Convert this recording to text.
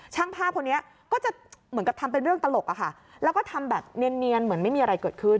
ช่างภาพคนนี้ก็จะเหมือนกับทำเป็นเรื่องตลกอะค่ะแล้วก็ทำแบบเนียนเหมือนไม่มีอะไรเกิดขึ้น